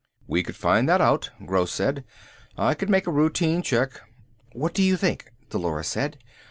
"We could find that out," Gross said. "I could make a routine check." "What do you think?" Dolores said.